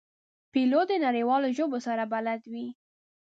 پیلوټ د نړیوالو ژبو سره بلد وي.